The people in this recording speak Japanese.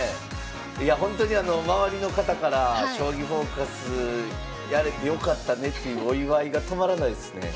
いやほんとにあの周りの方から「将棋フォーカス」やれてよかったねっていうお祝いが止まらないですね。